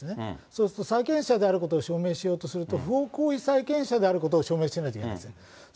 そうすると債権者であることを証明しようとすると、不法行為債権者であることを証明しないといけないんですよ。